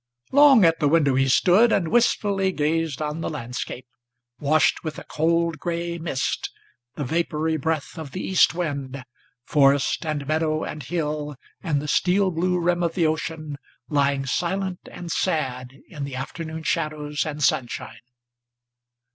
Long at the window he stood, and wistfully gazed on the landscape, Washed with a cold gray mist, the vapory breath of the east wind, Forest and meadow and hill, and the steel blue rim of the ocean, Lying silent and sad, in the afternoon shadows and sunshine.